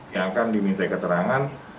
yang akan diminta keterangan